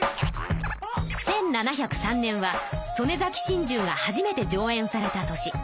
１７０３年は「曽根崎心中」が初めて上演された年。